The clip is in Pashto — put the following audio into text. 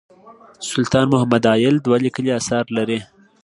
سلطان محمد عايل دوه لیکلي اثار لري.